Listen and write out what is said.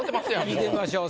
聞いてみましょう。